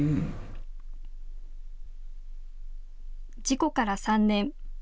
事故から３年。